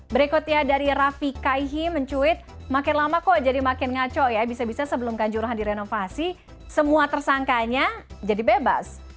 berikutnya dari rafi kaihi mencuit makin lama kok jadi makin ngaco ya bisa bisa sebelum kanjuruhan direnovasi semua tersangkanya jadi bebas